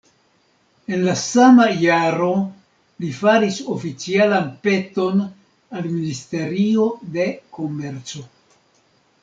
En la sama jaro li faris oficialan peton al Ministerio de Komerco.